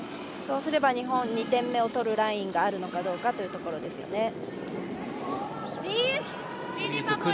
そうすれば日本２点目を取るラインがあるのかどうかというところですね。